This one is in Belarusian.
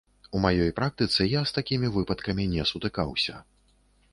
У маёй практыцы я з такімі выпадкамі не сутыкаўся.